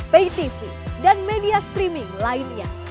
pay tv dan media streaming lainnya